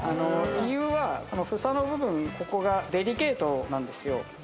理由は房の部分、ここがデリケートなんですよ。